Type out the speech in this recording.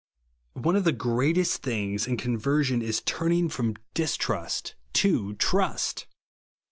One of the greatest things in conversion is turning from dis trust to trust.